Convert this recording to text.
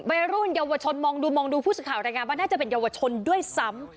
ใบรุ่นเยาวชนมองดูผู้สังขาวรายงานว่าน่าจะเป็นเยาวชนด้วยซ้ำ